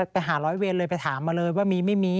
ไปหาร้อยเวรเลยไปถามมาเลยว่ามีไม่มี